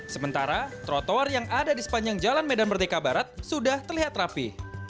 sementara trotoar yang ada di sepanjang jalan medan merdeka barat sudah terlihat rapi